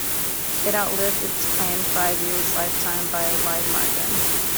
It outlived its planned five-year lifetime by a wide margin.